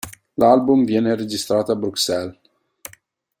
L'album viene registrato a Bruxelles.